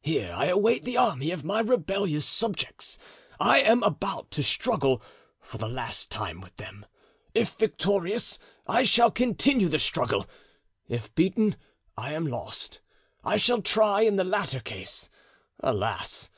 Here I await the army of my rebellious subjects. I am about to struggle for the last time with them. If victorious, I shall continue the struggle; if beaten, I am lost. I shall try, in the latter case (alas!